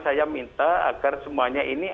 saya minta agar semuanya ini